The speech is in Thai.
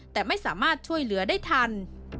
แต่ไม่สามารถช่วยเหลือได้ทัน